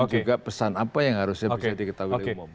dan juga pesan apa yang harusnya bisa diketahui oleh umum